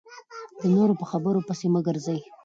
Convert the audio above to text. د نورو په خبرو پسې مه ګرځئ .